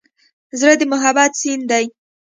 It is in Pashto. زړه د محبت سیند دی.